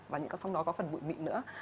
và những cái phong đó có phần bụi mịn nữa